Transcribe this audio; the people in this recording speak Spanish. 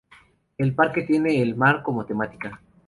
El parque tiene el mar como temática.